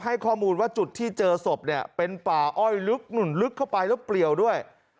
ให้ข้อมูลว่าจุดที่เจอศพเนี่ยเป็นป่าอ้อยลึกหนุ่นลึกเข้าไปแล้วเปลี่ยวด้วย